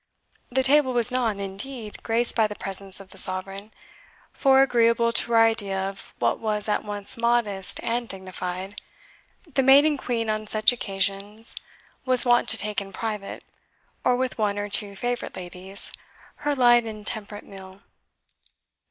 The table was not, indeed, graced by the presence of the Sovereign; for, agreeable to her idea of what was at once modest and dignified, the Maiden Queen on such occasions was wont to take in private, or with one or two favourite ladies, her light and temperate meal.